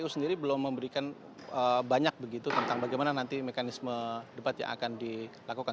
kpu sendiri belum memberikan banyak begitu tentang bagaimana nanti mekanisme debat yang akan dilakukan